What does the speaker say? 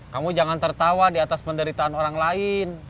kamu jangan tertawa di atas penderitaan orang lain